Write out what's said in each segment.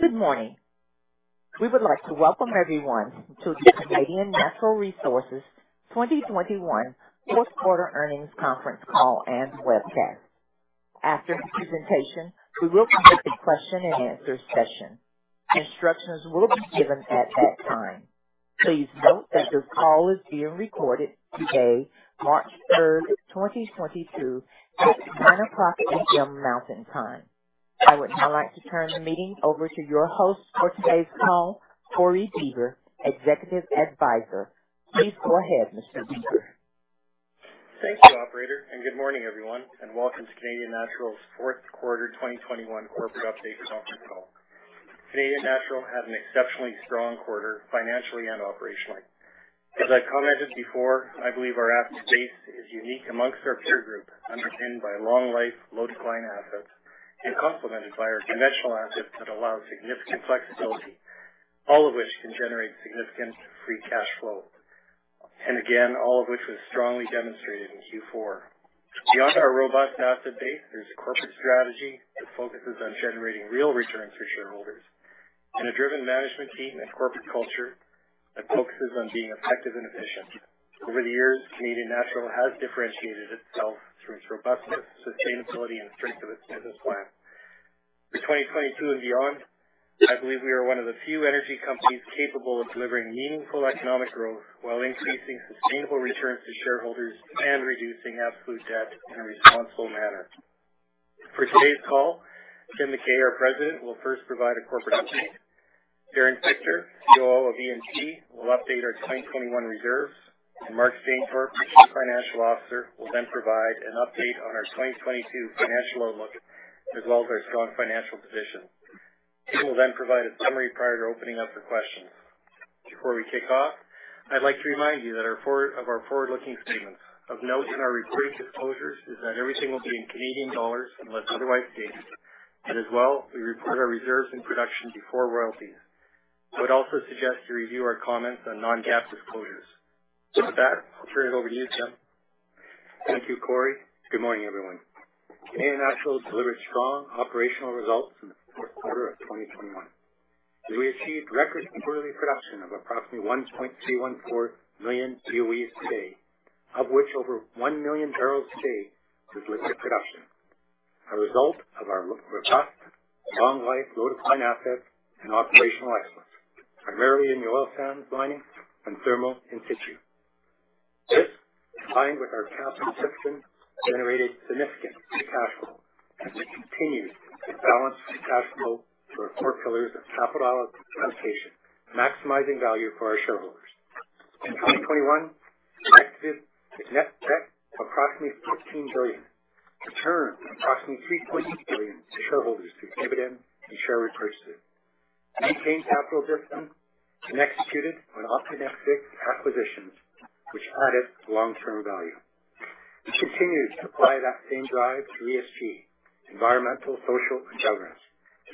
Good morning. We would like to welcome everyone to the Canadian Natural Resources 2021 fourth quarter earnings conference call and webcast. After the presentation, we will conduct a question and answer session. Instructions will be given at that time. Please note that this call is being recorded today, March 3, 2022 at 10 A.M. Mountain Time. I would now like to turn the meeting over to your host for today's call, Corey Bieber, Executive Advisor. Please go ahead, Mr. Bieber. Thank you, operator, and good morning, everyone, and welcome to Canadian Natural's fourth quarter 2021 corporate update conference call. Canadian Natural had an exceptionally strong quarter financially and operationally. As I commented before, I believe our asset base is unique amongst our peer group, underpinned by long life, low decline assets and complemented by our conventional assets that allow significant flexibility, all of which can generate significant free cash flow. Again, all of which was strongly demonstrated in Q4. Beyond our robust asset base, there's a corporate strategy that focuses on generating real returns for shareholders and a driven management team and corporate culture that focuses on being effective and efficient. Over the years, Canadian Natural has differentiated itself through its robustness, sustainability and strength of its business plan. For 2022 and beyond, I believe we are one of the few energy companies capable of delivering meaningful economic growth while increasing sustainable returns to shareholders and reducing absolute debt in a responsible manner. For today's call, Tim McKay, our President, will first provide a corporate update. Darren Fichter, COO of E&P, will update our 2021 reserves, and Mark Stainthorpe, Chief Financial Officer, will then provide an update on our 2022 financial outlook, as well as our strong financial position. Tim will then provide a summary prior to opening up for questions. Before we kick off, I'd like to remind you of our forward-looking statements. Of note in our reported disclosures is that everything will be in Canadian dollars unless otherwise stated. As well, we report our reserves and production before royalties. I would also suggest you review our comments on non-GAAP disclosures. With that, I'll turn it over to you, Tim. Thank you, Corey. Good morning, everyone. Canadian Natural delivered strong operational results in the fourth quarter of 2021, as we achieved record quarterly production of approximately 1.314 million BOE a day, of which over 1 million barrels a day was liquid production, a result of our robust long life low-decline assets and operational excellence, primarily in the oil sands mining and thermal in situ. This, combined with our capital discipline, generated significant free cash flow, and we continued to allocate free cash flow through our four pillars of capital allocation, maximizing value for our shareholders. In 2021, we reduced net debt to approximately 15 billion, returned approximately 3.8 billion to shareholders through dividend and share repurchase. We maintained capital discipline and executed on opportunistic acquisitions which added long-term value. We continued to apply that same drive to ESG, environmental, social and governance,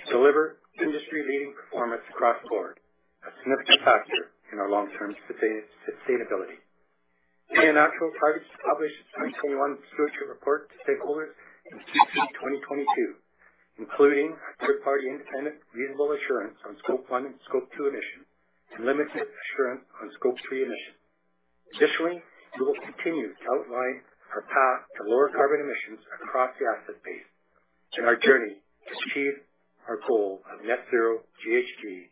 to deliver industry-leading performance across the board, a significant factor in our long-term sustainability. Canadian Natural targets to publish its 2021 stewardship report to stakeholders in Q2 2022, including our third-party independent reasonable assurance on Scope 1 and Scope 2 emissions, and limited assurance on Scope 3 emissions. Additionally, we will continue to outline our path to lower carbon emissions across the asset base and our journey to achieve our goal of net zero GHG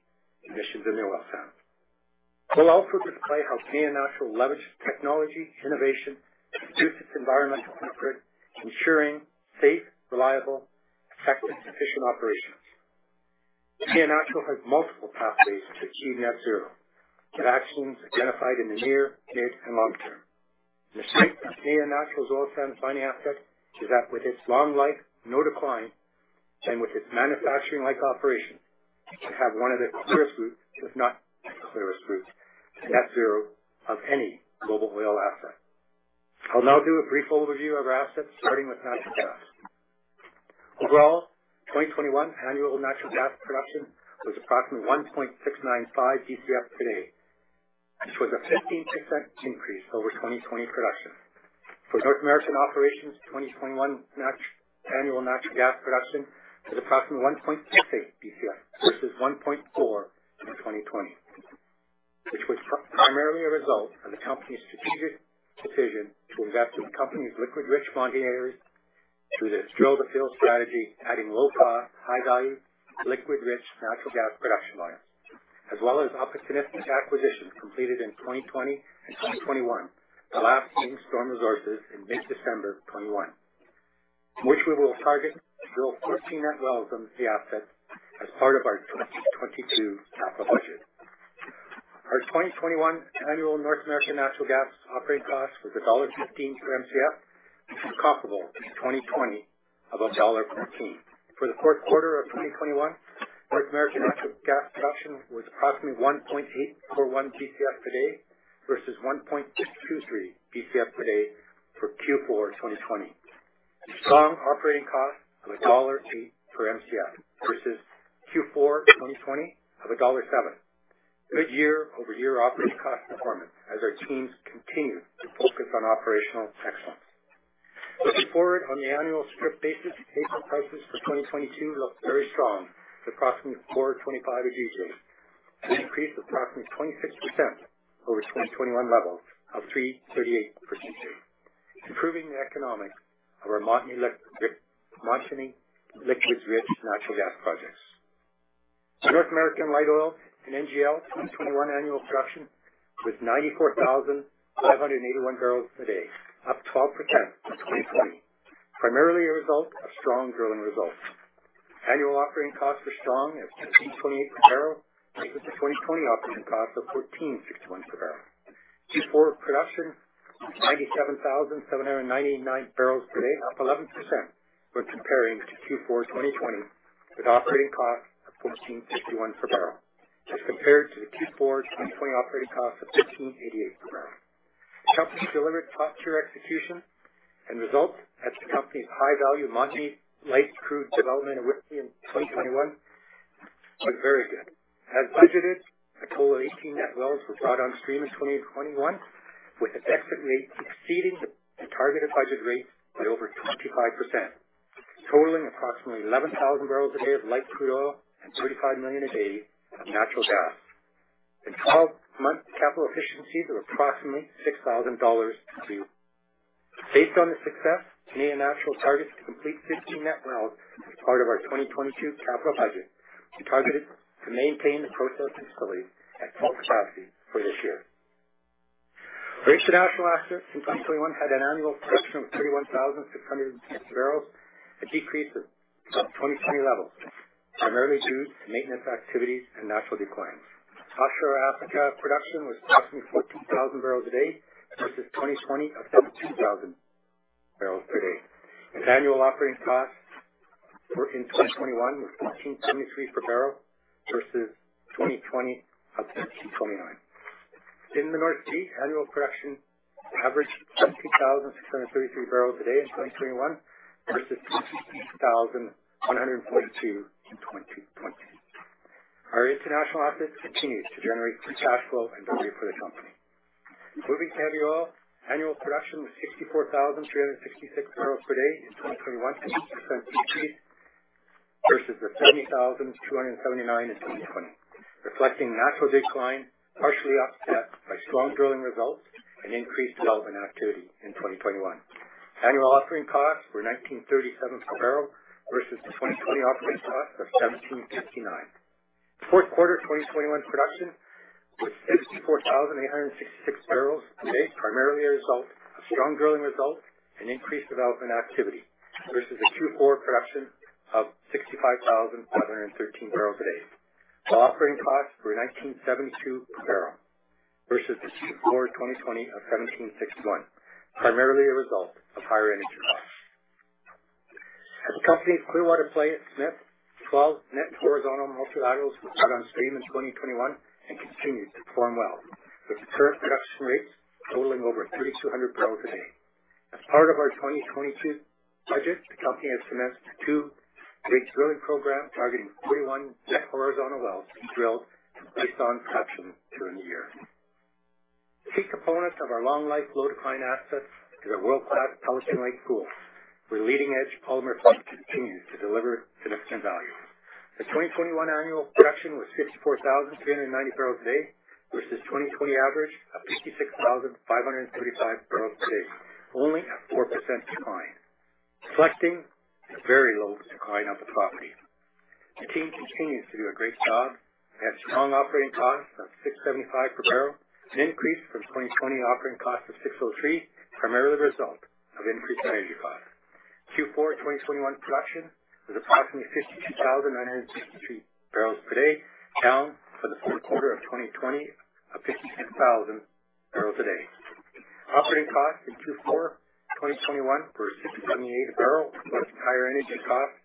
emissions in the oil sands. We'll also display how Canadian Natural leverages technology innovation to reduce its environmental footprint, ensuring safe, reliable, effective, and efficient operations. Canadian Natural has multiple pathways to achieve net zero, with actions identified in the near, mid, and long term. The strength of Canadian Natural's oil sands mining assets is that with its long life, no decline, and with its manufacturing-like operations, we have one of the clearest routes, if not the clearest route, to net zero of any global oil asset. I'll now do a brief overview of our assets, starting with natural gas. Overall, 2021 annual natural gas production was approximately 1.695 Bcf per day. This was a 15% increase over 2020 production. For North American operations, 2021 annual natural gas production was approximately 1.68 Bcf versus 1.4 in 2020, which was primarily a result of the company's strategic decision to invest in the company's liquid rich Montney areas through this drill to fill strategy, adding low cost, high value liquid rich natural gas production lines. As well as opportunistic acquisitions completed in 2020 and 2021, the last being Storm Resources in mid-December of 2021, which we will target to drill 14 net wells on the asset as part of our 2022 capital budget. Our 2021 annual North American natural gas operating cost was CAD 1.15 per Mcf, which is comparable to 2020 of CAD 1.14. For the fourth quarter of 2021, North American natural gas production was approximately 1.841 Bcf per day versus 1.623 Bcf per day for Q4 2020. Strong operating cost of dollar 1.02 per Mcf versus Q4 2020 of dollar 1.07. Good year-over-year operating cost performance as our teams continue to focus on operational excellence. Looking forward on the annual strip basis, diesel prices for 2022 look very strong, approximately 425 per gigajoule, an increase of approximately 26% over 2021 levels of 338 per gigajoule, improving the economics of our Montney liquids-rich natural gas projects. North American light oil and NGL 2021 annual production was 94,581 barrels a day, up 12% from 2020, primarily a result of strong drilling results. Annual operating costs are strong at 28 per barrel, compared to 2020 operating costs of 14.61 per barrel. Q4 production, 97,799 barrels a day, up 11% when comparing to Q4 2020, with operating costs of 14.51 per barrel, as compared to the Q4 2020 operating cost of 15.88 per barrel. The company delivered top-tier execution and results at the company's high-value Montney light crude development in Whitby in 2021 were very good. As budgeted, a total of 18 net wells were brought on stream in 2021, with effective rates exceeding the targeted budget rate by over 25%, totaling approximately 11,000 barrels a day of light crude oil and 35 million a day of natural gas. In 12 months, capital efficiencies were approximately 6,000 dollars a barrel. Based on the success, Canadian Natural targets to complete 15 net wells as part of our 2022 capital budget. We targeted to maintain the process facility at full capacity for this year. Our international assets in 2021 had an annual production of 31,610 barrels, a decrease of 2020 levels, primarily due to maintenance activities and natural declines. Offshore Africa production was approximately 14,000 barrels a day versus 2020 of 17,000 barrels per day. Annual operating costs for in 2021 was 1,873 per barrel versus 2020 of 1,829. In the North Sea, annual production averaged 20,633 barrels a day in 2021 versus 23,142 in 2020. Our international assets continue to generate free cash flow and value for the company. Moving to heavy oil. Annual production was 64,366 barrels per day in 2021 versus the 70,279 in 2020, reflecting natural decline, partially offset by strong drilling results and increased development activity in 2021. Annual operating costs were 19.37 per barrel versus the 2020 operating cost of 17.59. Fourth quarter 2021 production was 64,866 barrels a day, primarily a result of strong drilling results and increased development activity, versus the Q4 production of 65,713 barrels a day. While operating costs were 19.72 per barrel versus the Q4 2020 of 17.61, primarily a result of higher energy costs. At the company's Clearwater Play at Smith, 12 net horizontal multilaterals were brought on stream in 2021 and continued to perform well, with the current production rates totaling over 3,200 barrels a day. As part of our 2022 budget, the company has commenced a 2-rig drilling program targeting 41 net horizontal wells to be drilled based on production during the year. A key component of our long life, low decline assets is our world-class Pelican Lake pool, where leading-edge polymer flood continues to deliver significant value. The 2021 annual production was 64,390 barrels a day versus 2020 average of 56,535 barrels a day, only a 4% decline, reflecting the very low decline of the property. The team continues to do a great job. We have strong operating costs of 675 per barrel, an increase from 2020 operating cost of 603, primarily the result of increased energy costs. Q4 2021 production was approximately 52,963 barrels per day, down from the fourth quarter of 2020 of 56,000 barrels a day. Operating costs in Q4 2021 were 678 per barrel, with higher energy costs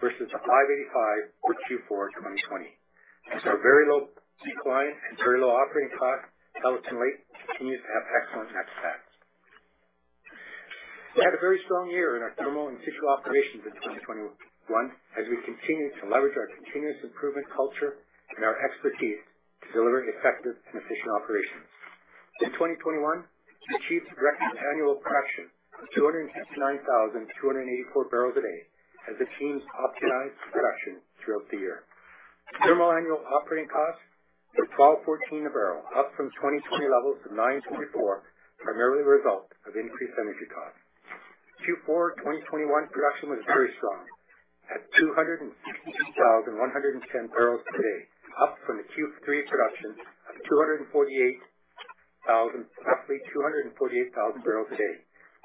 versus 585 for Q4 2020. With our very low decline and very low operating costs, Pelican Lake continues to have excellent netbacks. We had a very strong year in our thermal and in situ operations in 2021, as we continued to leverage our continuous improvement culture and our expertise to deliver effective and efficient operations. In 2021, we achieved record annual production of 269,284 barrels a day as the teams optimized production throughout the year. Thermal annual operating costs were 12.14 a barrel, up from 2020 levels of 9.24, primarily a result of increased energy costs. Q4 2021 production was very strong at 262,110 barrels a day, up from the Q3 production of roughly 248,000 barrels a day.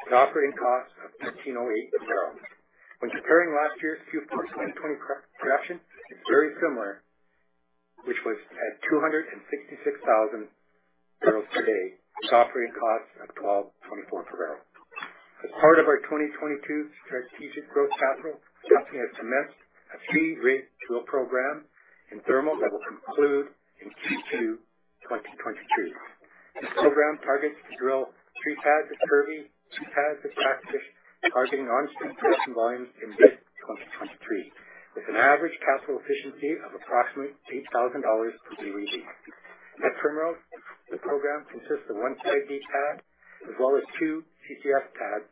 The operating cost was 13.08 a barrel. When comparing last year's Q4 2020 production, it's very similar, which was at 266,000 barrels a day with operating costs of 12.24 per barrel. As part of our 2022 strategic growth capital, the company has commenced a 3-rig drill program in thermal that will conclude in Q2 2022. This program targets to drill 3 pads at Kirby, 2 pads at Cactus, targeting onstream production volumes in mid-2023, with an average capital efficiency of approximately 8,000 dollars per BOE. At Termo, the program consists of 1 SAGD pad as well as 2 CSS pads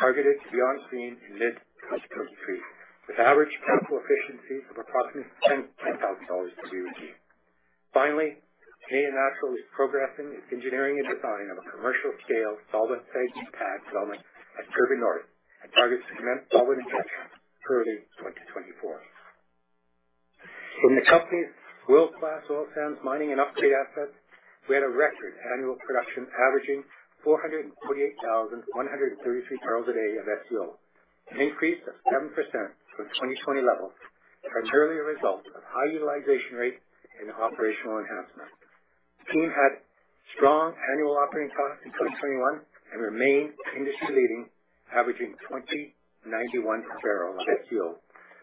targeted to be onstream in mid-2023, with average capital efficiency of approximately 10,000 dollars to be achieved. Canadian Natural is progressing its engineering and design of a commercial scale solvent SAGD pad development at Turbo North and targets to commence solvent injection early 2024. In the company's world-class Oil Sands Mining and Upgrading assets, we had a record annual production averaging 448,133 barrels a day of SCO, an increase of 7% from 2020 levels, primarily a result of high utilization rate and operational enhancements. The team had strong annual operating costs in 2021 and remained industry leading, averaging 20.91 per barrel of SCO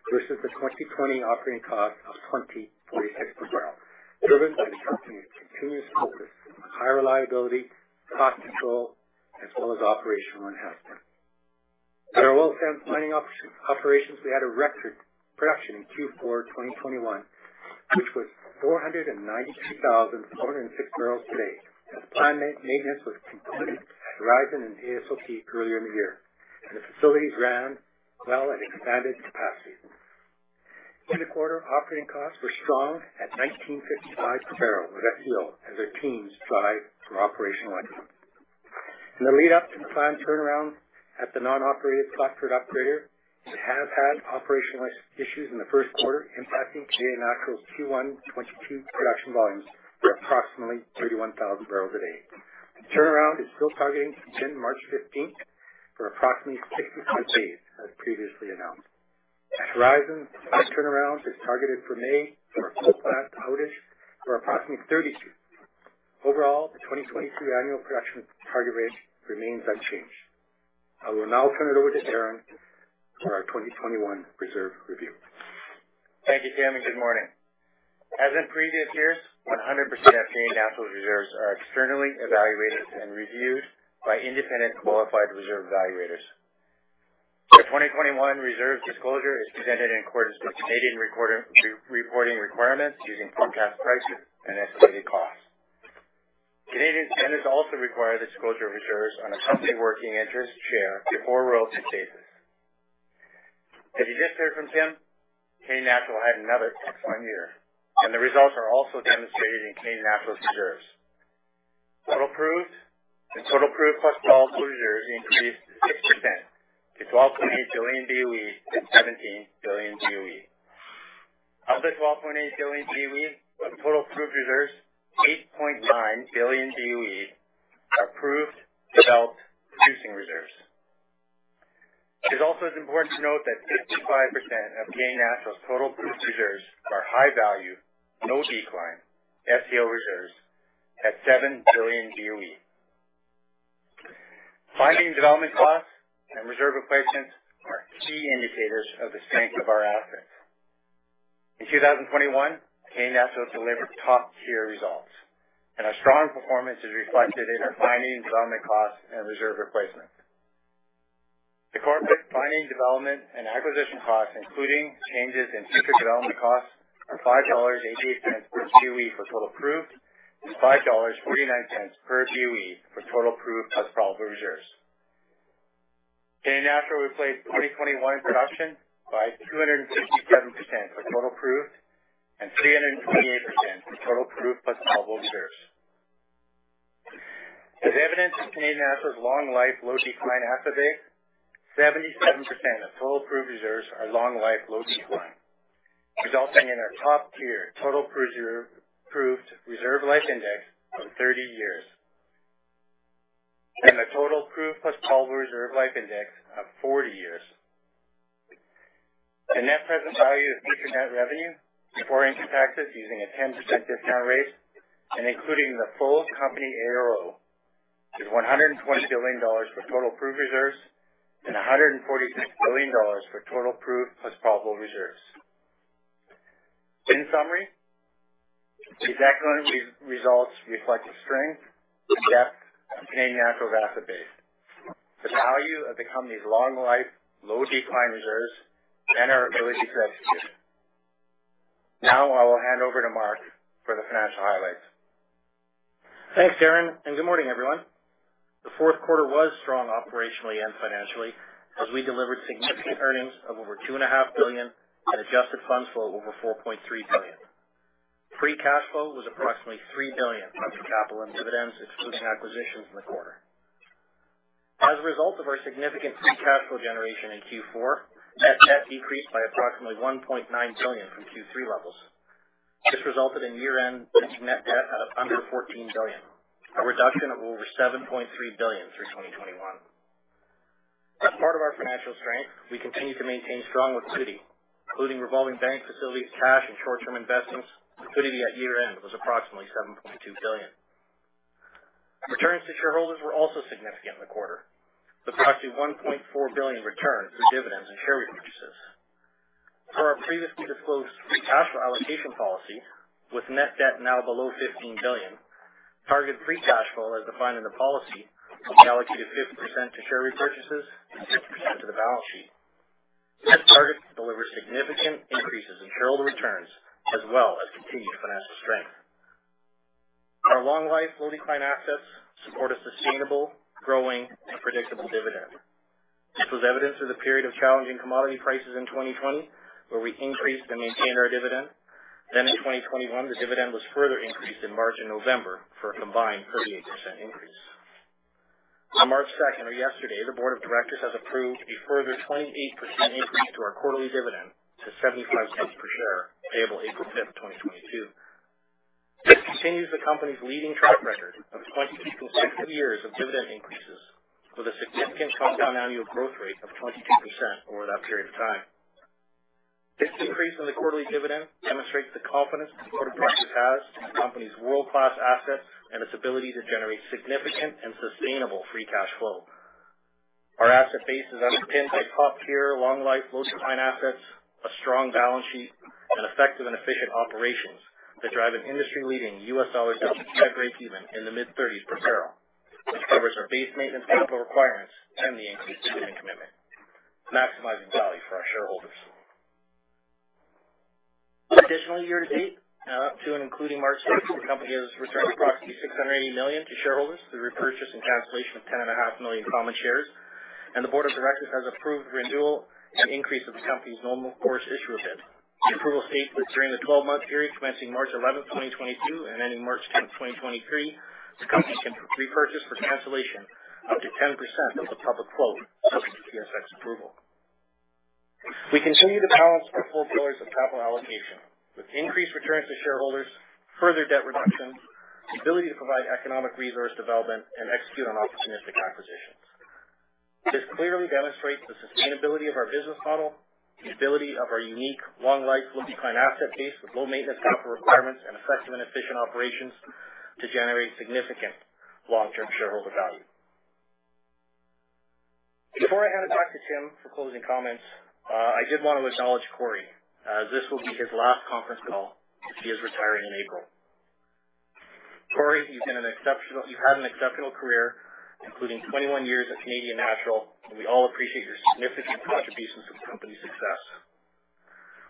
versus the 2020 operating cost of 24.06 per barrel, driven by the company's continuous focus on high reliability, cost control, as well as operational enhancement. At our Oil Sands Mining operations, we had a record production in Q4 2021, which was 492,406 barrels a day as the planned maintenance was completed at Horizon and Athabasca Oil Sands Project earlier in the year, and the facilities ran well at expanded capacity. In the quarter, operating costs were strong at 19.55 per barrel with FCO as our teams strived for operational excellence. In the lead up to the planned turnaround at the non-operated Flat Prid operation, we have had operational issues in the first quarter impacting Canadian Natural's Q1 2022 production volumes of approximately 31,000 barrels a day. The turnaround is still targeting to begin March fifteenth for approximately 65 days, as previously announced. At Horizon, the turnaround is targeted for May for a full plant outage for approximately 30 days. Overall, the 2022 annual production target range remains unchanged. I will now turn it over to Darren for our 2021 reserve review. Thank you, Tim, and good morning. As in previous years, 100% of Canadian Natural reserves are externally evaluated and reviewed by independent qualified reserve evaluators. The 2021 reserve disclosure is presented in accordance with Canadian re-reporting requirements using forecast prices and estimated costs. Canada also require disclosure of reserves on a company working interest share before royalty cases. As you just heard from Tim, Canadian Natural had another excellent year, and the results are also demonstrated in Canadian Natural reserves. Total proved and total proved plus probable reserves increased 6% to 12.8 billion BOE and 17 billion BOE. Of the 12.8 billion BOE of total proved reserves, 8.9 billion BOE are proved developed producing reserves. It is important to note that 55% of Canadian Natural's total proved reserves are high value, no decline SCO reserves at 7 billion BOE. Finding and development costs and reserve replacements are key indicators of the strength of our assets. In 2021, Canadian Natural delivered top-tier results, and our strong performance is reflected in our finding and development costs and reserve replacement. The corporate finding, development and acquisition costs, including changes in future development costs, are 5.88 dollars per BOE for total proved, and 5.49 dollars per BOE for total proved plus probable reserves. Canadian Natural replaced 2021 production by 267% for total proved and 328% for total proved plus probable reserves. As evidence of Canadian Natural's long life, low decline asset base, 77% of total proved reserves are long life, low decline, resulting in our top-tier total proved reserve life index of 30 years. A total proved plus probable reserve life index of 40 years. The net present value of future net revenue before income taxes using a 10% discount rate and including the full company ARO is 120 billion dollars for total proved reserves and 146 billion dollars for total proved plus probable reserves. In summary, these excellent results reflect the strength and depth of Canadian Natural's asset base, the value of the company's long life, low decline reserves, and our ability to execute. Now I will hand over to Mark for the financial highlights. Thanks, Darren, and good morning, everyone. The 4th quarter was strong operationally and financially as we delivered significant earnings of over 2.5 billion and adjusted funds flow of over 4.3 billion. Free cash flow was approximately 3 billion from capital and dividends, excluding acquisitions in the quarter. As a result of our significant free cash flow generation in Q4, net debt decreased by approximately 1.9 billion from Q3 levels. This resulted in year-end net debt of under 14 billion, a reduction of over 7.3 billion through 2021. As part of our financial strength, we continue to maintain strong liquidity, including revolving bank facilities, cash and short-term investments. Liquidity at year-end was approximately 7.2 billion. Returns to shareholders were also significant in the quarter, with approximately 1.4 billion returned through dividends and share repurchases. Per our previously disclosed free cash flow allocation policy, with net debt now below 15 billion, target free cash flow, as defined in the policy, will be allocated 50% to share repurchases and 50% to the balance sheet. That target delivers significant increases in shareholder returns as well as continued financial strength. Our long life, low decline assets support a sustainable, growing and predictable dividend. This was evidenced through the period of challenging commodity prices in 2020, where we increased and maintained our dividend. In 2021, the dividend was further increased in March and November for a combined 38% increase. On March 2, or yesterday, the board of directors has approved a further 28% increase to our quarterly dividend to 0.75 per share, payable April 5, 2022. This continues the company's leading track record of 20 consecutive years of dividend increases with a significant compound annual growth rate of 22% over that period of time. This increase in the quarterly dividend demonstrates the confidence the board of directors has in the company's world-class assets and its ability to generate significant and sustainable free cash flow. Our asset base is underpinned by top-tier, long life, low decline assets, a strong balance sheet, and effective and efficient operations that drive an industry leading US dollar debt to EBITDA even in the mid-30s per barrel, which covers our base maintenance capital requirements and the increased dividend commitment, maximizing value for our shareholders. Additionally, year to date, up to and including March 6, the company has returned approximately 680 million to shareholders through repurchase and cancellation of 10.5 million common shares, and the board of directors has approved renewal and increase of the company's Normal Course Issuer Bid. The approval states that during the 12-month period commencing March 11, 2022 and ending March 10, 2023, the company can repurchase for cancellation up to 10% of the public float, subject to TSX approval. We continue to balance our four pillars of capital allocation with increased returns to shareholders, further debt reduction, ability to provide economic resource development, and execute on opportunistic acquisitions. This clearly demonstrates the sustainability of our business model, the ability of our unique long life, low decline asset base with low maintenance capital requirements, and effective and efficient operations to generate significant long-term shareholder value. Before I hand it back to Tim for closing comments, I did want to acknowledge Corey, as this will be his last conference call, as he is retiring in April. Corey, you've had an exceptional career, including 21 years at Canadian Natural, and we all appreciate your significant contributions to the company's success.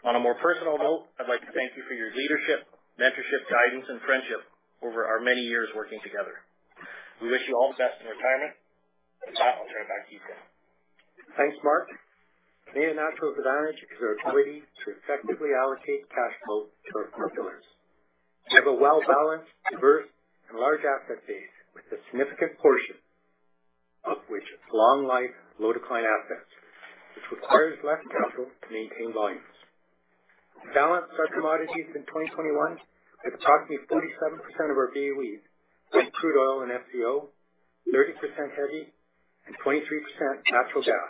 On a more personal note, I'd like to thank you for your leadership, mentorship, guidance, and friendship over our many years working together. We wish you all the best in retirement. With that, I'll turn it back to you, Tim. Thanks, Mark. Canadian Natural has advantage because of our ability to effectively allocate cash flow to our core pillars. We have a well balanced, diverse and large asset base with a significant portion of which is long life, low decline assets, which requires less capital to maintain volumes. To balance our commodities in 2021, with approximately 47% of our BOE being crude oil and SCO, 30% heavy, and 23% natural gas,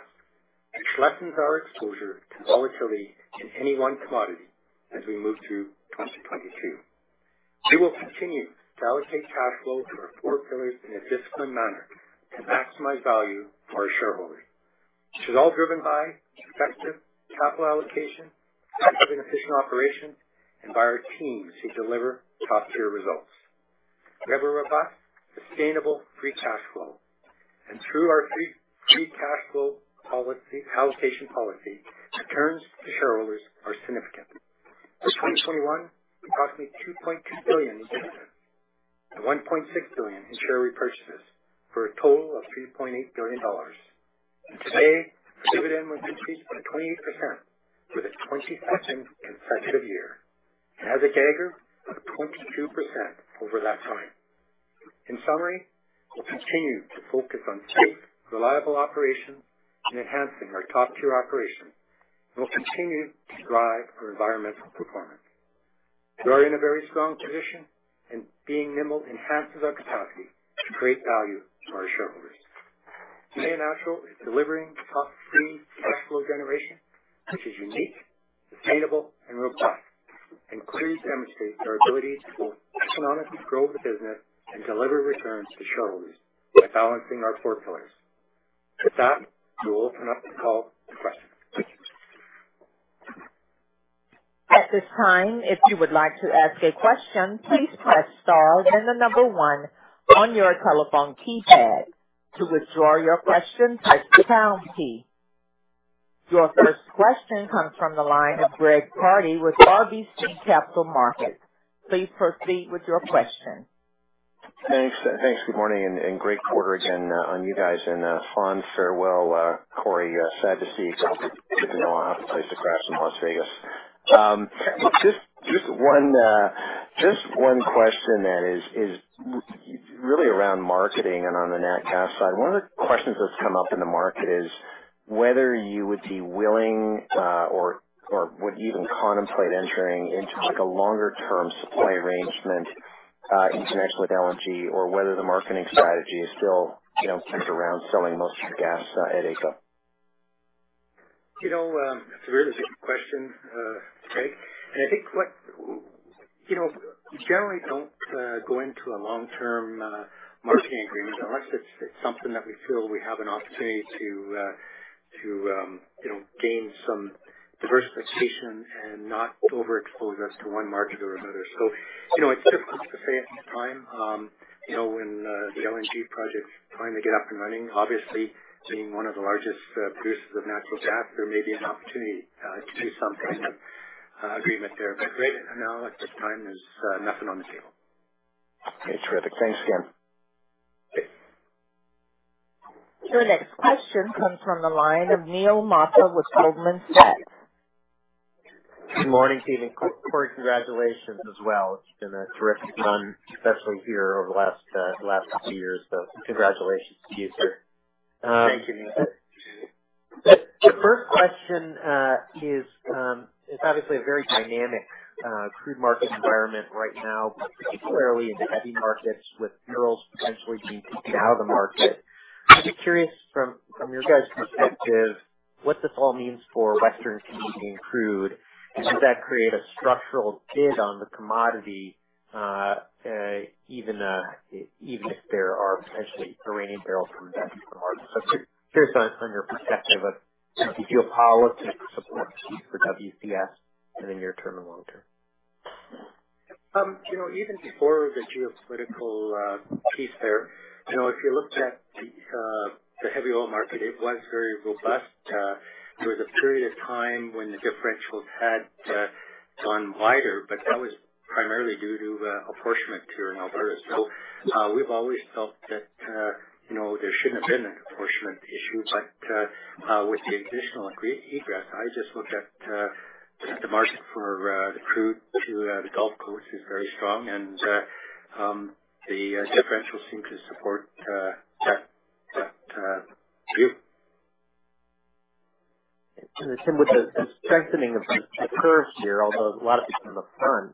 which lessens our exposure to volatility in any one commodity as we move through 2022. We will continue to allocate cash flow through our four pillars in a disciplined manner to maximize value for our shareholders. This is all driven by effective capital allocation, effective and efficient operations, and by our teams who deliver top tier results. We have a robust, sustainable free cash flow. Through our free cash flow policy, allocation policy, returns to shareholders are significant. For 2021, approximately 2.2 billion in dividends and 1.6 billion in share repurchases for a total of 3.8 billion dollars. Today, our dividend was increased by 28% for the 22nd consecutive year. It has a CAGR of 22% over that time. In summary, we'll continue to focus on safe, reliable operations and enhancing our top tier operations. We'll continue to drive our environmental performance. We are in a very strong position, and being nimble enhances our capacity to create value for our shareholders. Canadian Natural is delivering top three cash flow generation, which is unique, sustainable, and robust, and clearly demonstrates our ability to economically grow the business and deliver returns to shareholders by balancing our four pillars. With that, we'll open up the call to questions. Your first question comes from the line of Greg Pardy with RBC Capital Markets. Please proceed with your question. Thanks. Good morning, and great quarter again on you guys and fond farewell, Corey. Sad to see you go. We'll have to play some craps in Las Vegas. Just one question then is really around marketing and on the nat gas side. One of the questions that's come up in the market is whether you would be willing or would even contemplate entering into like a longer term supply arrangement in connection with LNG or whether the marketing strategy is still, you know, centered around selling most of your gas at AECO. You know, it's a really good question, Greg. I think you know, we generally don't go into a long-term marketing agreement unless it's something that we feel we have an opportunity to you know, gain some Diversification and not overexposure to one market or another. You know, it's difficult to say at this time. You know, when the LNG project is finally get up and running, obviously being one of the largest producers of natural gas, there may be an opportunity to do some kind of agreement there. Right now, at this time, there's nothing on the table. Okay. Terrific. Thanks again. Your next question comes from the line of Neil Mehta with Goldman Sachs. Good morning, team. Corey, congratulations as well. It's been a terrific run, especially here over the last few years. Congratulations to you, sir. Thank you, Neil. The first question, it's obviously a very dynamic crude market environment right now, but particularly in the heavy markets with barrels potentially being taken out of the market. I'd be curious from your guys' perspective, what this all means for Western Canadian crude. Does that create a structural bid on the commodity, even if there are potentially Iranian barrels coming back to the market. Curious on your perspective of the geopolitics support piece for WCS in the near term and long term. You know, even before the geopolitical piece there, you know, if you looked at the heavy oil market, it was very robust. There was a period of time when the differentials had gone wider, but that was primarily due to apportionment here in Alberta. We've always felt that, you know, there shouldn't have been an apportionment issue. With the additional egress, I just looked at the market for the crude to the Gulf Coast is very strong, and the differentials seem to support that view. Tim, with the strengthening of the curves here, although a lot of it's been deferred,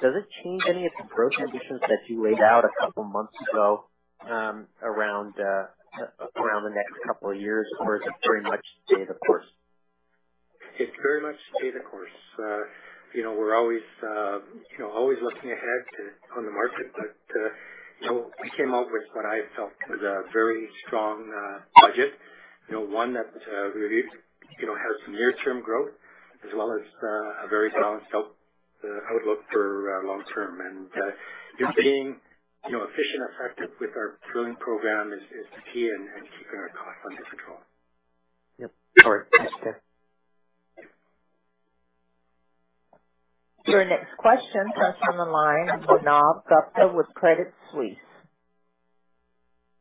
does it change any of the growth ambitions that you laid out a couple months ago, around the next couple of years? Or is it very much stay the course? It's very much stay the course. You know, we're always, you know, always looking ahead on the market. You know, we came up with what I felt was a very strong budget. You know, one that we believe, you know, has some near-term growth as well as a very balanced out outlook for long term. Just being, you know, efficient, effective with our drilling program is key and keeping our costs under control. Yep. All right. Thanks, Tim. Your next question comes from the line of Manav Gupta with Credit Suisse.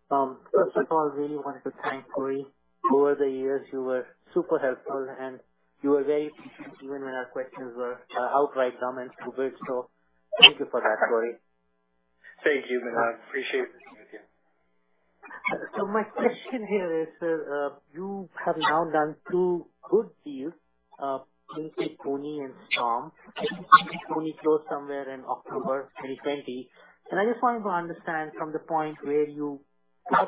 First of all, I really wanted to thank Corey. Over the years you were super helpful, and you were very patient even when our questions were outright dumb and stupid. Thank you for that, Corey. Thank you, Manav. Appreciate it. My question here is, you have now done two good deals, Painted Pony and Storm. Painted Pony closed somewhere in October 2020. I just wanted to understand from the point where that you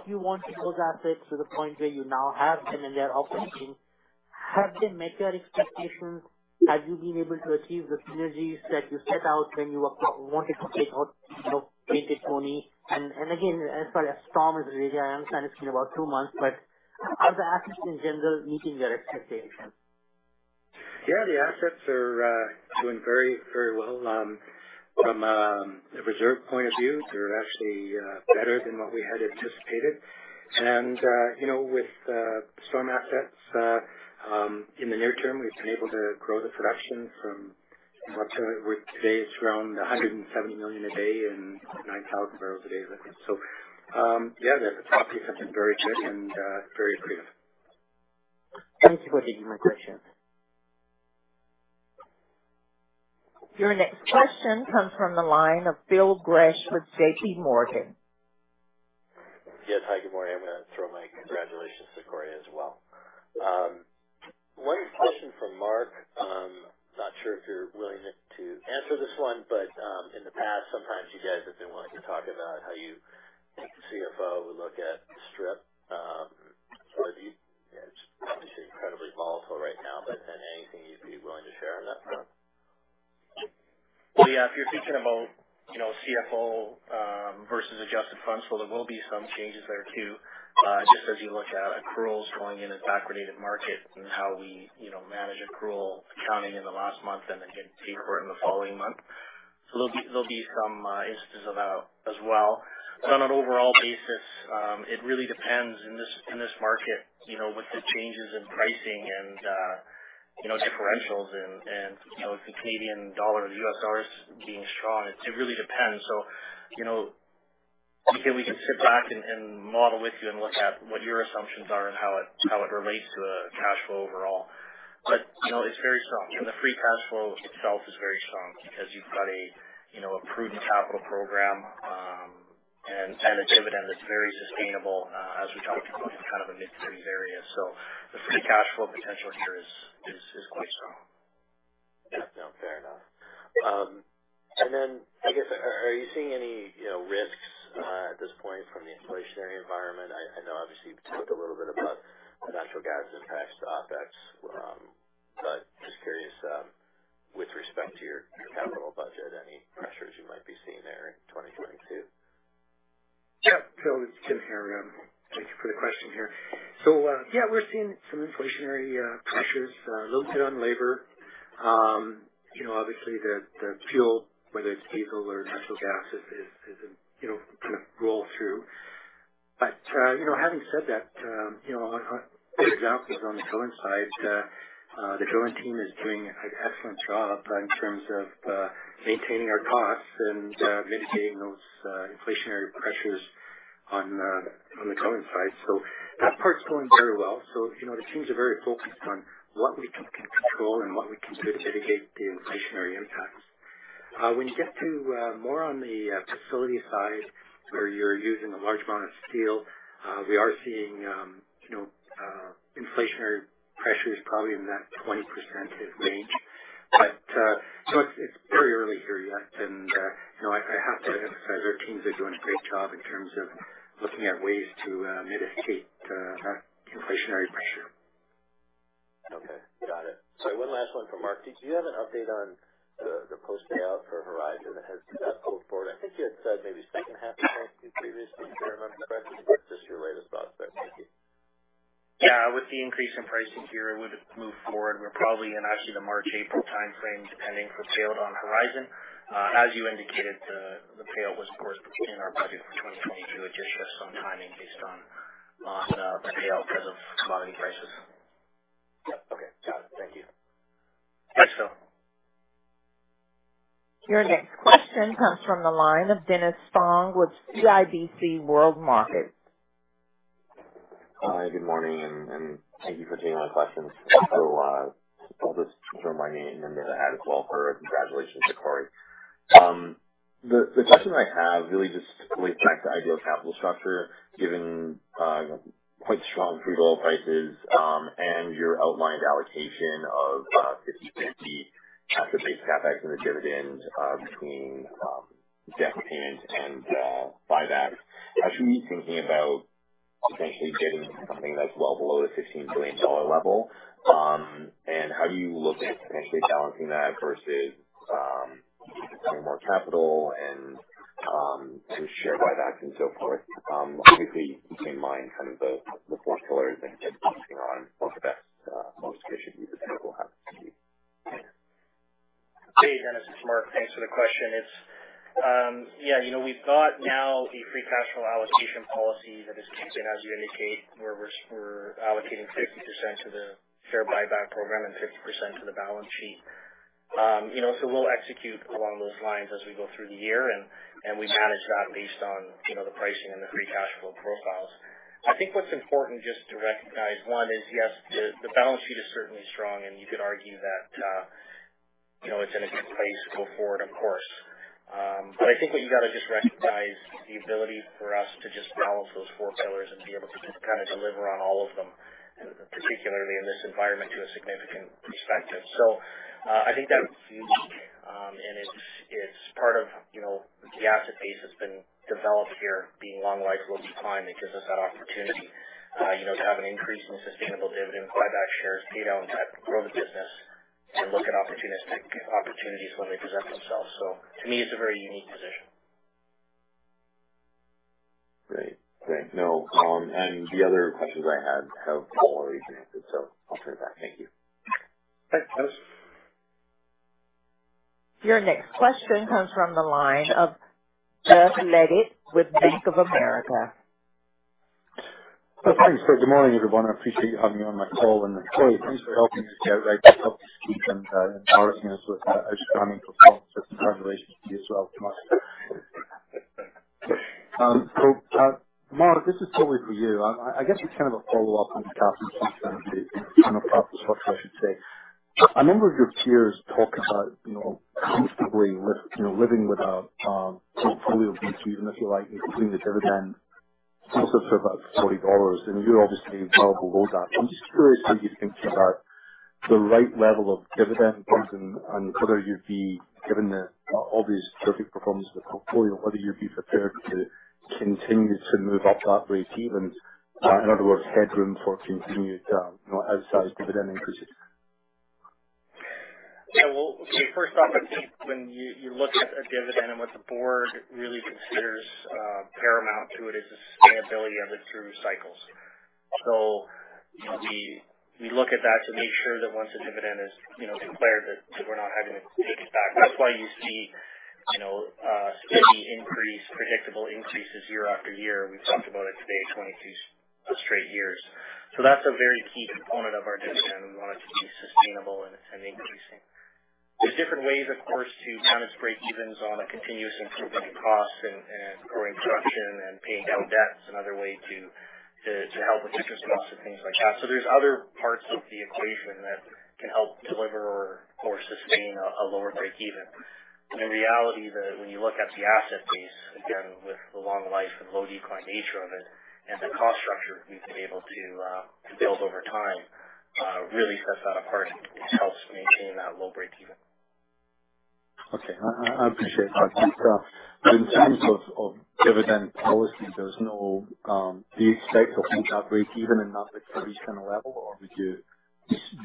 wanted those assets to the point where you now have them and they're operating, have they met your expectations? Have you been able to achieve the synergies that you set out when you wanted to take on, you know, Painted Pony? And again, as far as Storm is, I understand it's been about two months, but are the assets in general meeting your expectations? Yeah, the assets are doing very, very well. From a reserve point of view, they're actually better than what we had anticipated. You know, with Storm assets, in the near term, we've been able to grow the production from what today it's around 170 million a day and 9,000 barrels a day. Yeah, the properties have been very good and very accretive. Thank you for taking my question. Your next question comes from the line of Phil Gresh with J.P. Morgan. Yes. Hi, good morning. I'm gonna throw my congratulations to Corey as well. One question from Mark. Not sure if you're willing to answer this one, but in the past, sometimes you guys have been willing to talk about how you, the CFO, would look at strip. Obviously it's incredibly volatile right now, but anything you'd be willing to share on that front? Yeah, if you're thinking about, you know, CFO versus adjusted funds flow, there will be some changes there too. Just as you look at accruals going in a backwardated market and how we, you know, manage accrual accounting in the last month and then hit peak oil in the following month, there'll be some instances of that as well. On an overall basis, it really depends in this market, you know, with the changes in pricing and, you know, differentials and, you know, with the Canadian dollar, the U.S. dollar being strong, it really depends. You know, we can sit back and model with you and look at what your assumptions are and how it relates to cash flow overall. You know, it's very strong. The free cash flow itself is very strong because you've got a, you know, a proven capital program, and a dividend that's very sustainable, as we talked about in kind of the mid-teens area. The free cash flow potential here is quite strong. Yeah. No. Fair enough. Then I guess, are you seeing any, you know, risks at this point from the inflationary environment? I know obviously you talked a little bit about natural gas impacts to OpEx, but just curious. Back to your capital budget, any pressures you might be seeing there in 2022. Yeah. Phil, it's Tim here. Thank you for the question here. Yeah, we're seeing some inflationary pressures, a little bit on labor. You know, obviously the fuel, whether it's diesel or natural gas is, you know, kind of roll through. You know, having said that, you know, our expenses on the drilling side, the drilling team is doing an excellent job in terms of maintaining our costs and mitigating those inflationary pressures on the drilling side. That part's going very well. You know, the teams are very focused on what we can control and what we can do to mitigate the inflationary impacts. When you get to more on the facility side, where you're using a large amount of steel, we are seeing you know inflationary pressures probably in that 20% range. You know, it's very early here yet. You know, I have to emphasize our teams are doing a great job in terms of looking at ways to mitigate that inflationary pressure. Okay. Got it. Sorry, one last one from Mark. Do you have an update on the post payout for Horizon? Has that pulled forward? I think you had said maybe second half of 2022 previously, if I remember correctly. What's just your latest thoughts there? Thank you. Yeah. With the increase in pricing here, it would have moved forward. We're probably actually in the March, April timeframe, depending on the sale of Horizon. As you indicated, the sale was, of course, in our budget for 2022. It just shows some timing based on the sale price or commodity prices. Yeah. Okay. Got it. Thank you. Thanks, Phil. Your next question comes from the line of Dennis Fong with CIBC Capital Markets. Hi, good morning, and thank you for taking my questions. I'll just throw my name in, then add as well for congratulations to Corey. The question I have really just relates back to ideal capital structure, given you know, quite strong crude oil prices, and your outlined allocation of 50/50 asset-based CapEx and the dividends between debt payment and buybacks. How should we be thinking about potentially getting to something that's well below the 15 billion dollar level? How are you looking at potentially balancing that versus allocating more capital and share buybacks and so forth? Obviously keeping in mind kind of the four pillars that you've been focusing on, what the best allocation use of capital have to be. Hey, Dennis, it's Mark. Thanks for the question. It's yeah, you know, we've got now a free cash flow allocation policy that is keeping, as you indicate, where we're allocating 50% to the share buyback program and 50% to the balance sheet. You know, we'll execute along those lines as we go through the year and we manage that based on, you know, the pricing and the free cash flow profiles. I think what's important just to recognize, one is, yes, the balance sheet is certainly strong, and you could argue that, you know, it's in a good place to go forward, of course. I think what you gotta just recognize the ability for us to just balance those four pillars and be able to kind of deliver on all of them, particularly in this environment, to a significant extent. I think that's unique. It's part of, you know, the asset base that's been developed here being long life, low decline. It gives us that opportunity, you know, to have an increase in sustainable dividend, buy back shares, pay down debt, grow the business, and look at opportunistic opportunities when they present themselves. To me, it's a very unique position. Great. No, and the other questions I had have already been answered, so I'll turn it back. Thank you. Thanks, Dennis. Your next question comes from the line of Doug Leggate with Bank of America. Thanks, Phil. Good morning, everyone. I appreciate you having me on the call. Corey, thanks for helping us get right to it and embarrassing us with us coming for congratulations to you as well. Mark, this is probably for you. I guess it's kind of a follow-up on the capital structure. A number of your peers talk about, you know, comfortably living with a portfolio of between, if you like, including the dividend sources for about $40. You're obviously well below that. I'm just curious how you think about the right level of dividend and whether you'd be given the obvious perfect performance of the portfolio, whether you'd be prepared to continue to move up that way even. In other words, headroom for continued, you know, outsized dividend increases. Yeah. Well, okay, first off, I think when you look at a dividend and what the board really considers paramount to it is the sustainability of it through cycles. You know, we look at that to make sure that once a dividend is, you know, declared that we're not having to take it back. That's why you see, you know, steady increase, predictable increases year after year. We've talked about it today, 22 straight years. That's a very key component of our dividend. We want it to be sustainable and it's an increasing. There's different ways, of course, to kind of break evens on a continuous improvement in costs and growing production and paying down debt is another way to help with interest costs and things like that. There's other parts of the equation that can help deliver or sustain a lower breakeven. In reality, when you look at the asset base, again, with the long life and low decline nature of it and the cost structure we've been able to build over time, really sets that apart and helps maintain that low breakeven. Okay. I appreciate that. In terms of dividend policy, do you expect to reach that break even in that like traditional level or would you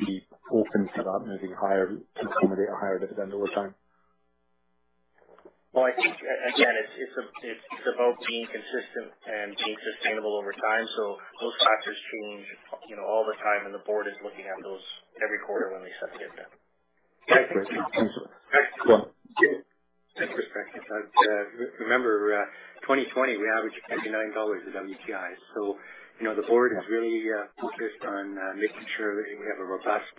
be open to that moving higher to accommodate a higher dividend over time? Well, I think again, it's about being consistent and being sustainable over time. Those factors change, you know, all the time. The board is looking at those every quarter when they set the dividend. Yeah. Yeah. In perspective, remember, 2020, we averaged $89 WTI. You know, the board is really focused on making sure we have a robust,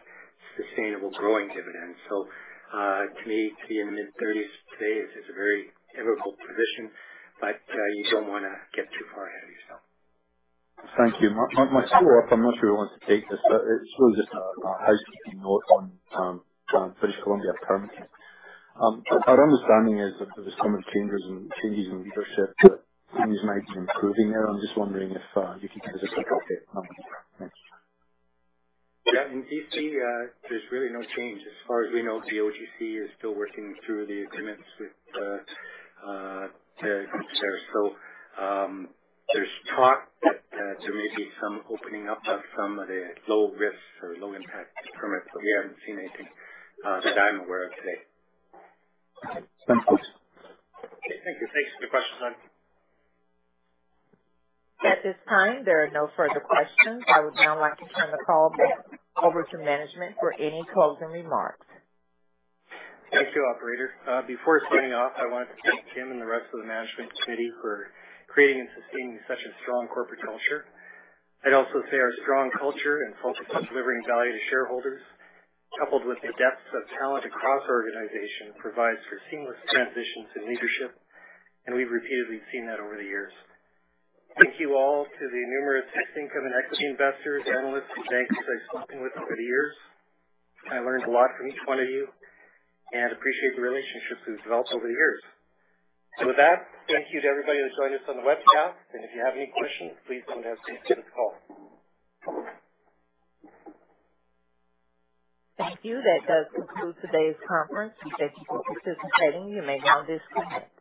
sustainable growing dividend. To me, to be in mid-$30s today is a very enviable position, but you don't wanna get too far ahead of yourself. Thank you. My follow-up, I'm not sure who wants to take this, but it's really just a housekeeping note on British Columbia permitting. Our understanding is that there's some changes in leadership that things might be improving there. I'm just wondering if you could give us a quick update. Thanks. Yeah. In BC, there's really no change. As far as we know, the OGC is still working through agreements with Tre. There's talk that there may be some opening up of some of the low risk or low impact permits, but we haven't seen anything that I'm aware of today. Sounds good. Okay. Thank you. Thanks for the question. At this time, there are no further questions. I would now like to turn the call back over to management for any closing remarks. Thank you, operator. Before signing off, I want to thank Jim and the rest of the management committee for creating and sustaining such a strong corporate culture. I'd also say our strong culture and focus on delivering value to shareholders, coupled with the depth of talent across our organization, provides for seamless transitions in leadership, and we've repeatedly seen that over the years. Thank you all to the numerous income and equity investors, analysts and banks I've spoken with over the years. I learned a lot from each one of you and appreciate the relationships we've developed over the years. With that, thank you to everybody who's joined us on the webcast. If you have any questions, please don't hesitate to call. Thank you. That does conclude today's conference. Thank you for participating. You may now disconnect.